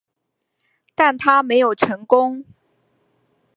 但它没有成功。